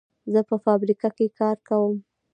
زه په فابریکه کې کار کوم.